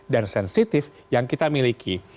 dan sensitif yang kita miliki